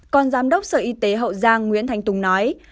còn giám đốc sở y tế hậu giang nguyễn thanh tùng nói